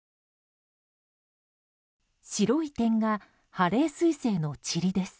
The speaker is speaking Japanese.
白い点がハレー彗星のちりです。